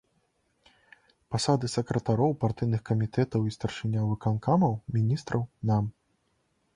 Пасады сакратароў партыйных камітэтаў і старшыняў выканкамаў, міністраў, нам.